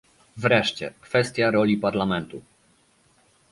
Wreszcie, kwestia roli Parlamentu